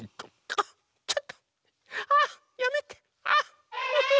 あっちょっとあっやめて。